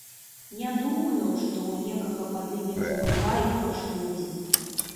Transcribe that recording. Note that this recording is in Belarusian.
Не думаю, што ў некага падымецца рука іх пашкодзіць.